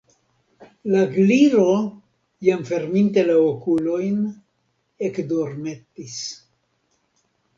La Gliro, jam ferminte la okulojn, ekdormetis.